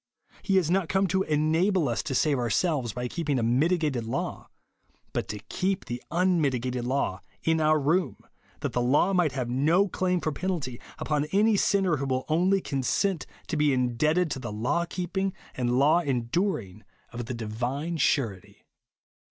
He has not come to enable us to save ourselves, by keeping a mitigated law ; but to keep the unmitigated law in our room, that the law might have no claim for penalty, upon any sinner who will only consent to be indebted to the law keeping and law enduring of the divine Surety. 184 JESUS ONLY.